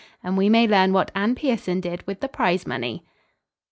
And we may learn what Anne Pierson did with the prize money.